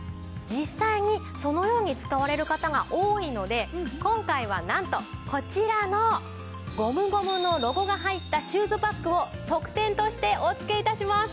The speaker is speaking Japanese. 実際にそのように使われる方が多いので今回はなんとこちらのゴムゴムのロゴが入ったシューズバッグを特典としてお付け致します。